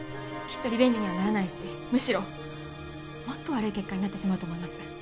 きっとリベンジにはならないしむしろもっと悪い結果になってしまうと思います